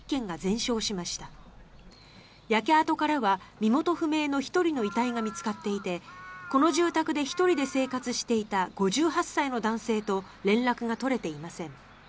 焼け跡からは身元不明の１人の遺体が見つかっていてこの住宅で１人で生活していた５８歳の男性と連絡が取れていません。